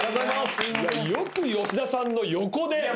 いやよく吉田さんの横で。